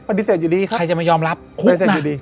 ปฏิเสธอยู่ดีใครจะไม่ยอมรับคุกนะ